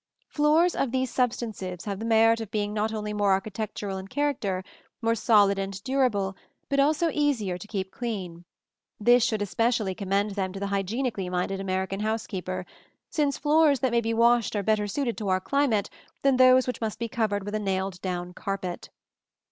Floors of these substances have the merit of being not only more architectural in character, more solid and durable, but also easier to keep clean. This should especially commend them to the hygienically minded American housekeeper, since floors that may be washed are better suited to our climate than those which must be covered with a nailed down carpet.